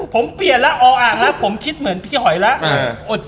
ผมเปลี่ยนแล้วออ่างแล้วผมคิดเหมือนพี่หอยแล้ว